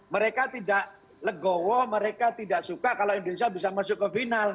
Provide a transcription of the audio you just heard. mereka tidak legowo mereka tidak suka kalau indonesia bisa masuk ke final